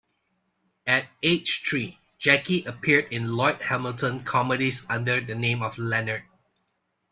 At age three, Jackie appeared in Lloyd Hamilton comedies under the name of "Leonard".